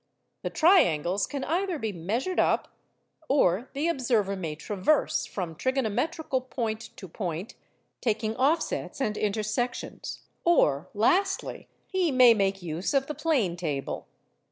The triangles can either be 'measured up,' or the observer may traverse from trigonometrical point to point, taking offsets and intersections; or, lastly, he may make use of the plane table.